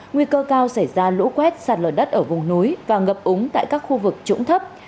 nguy cơ cao xảy ra lũ quét sạt lở đất ở vùng núi và ngập úng tại các khu vực trũng thấp